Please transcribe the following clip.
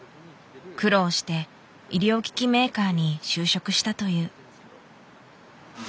苦労して医療機器メーカーに就職したという。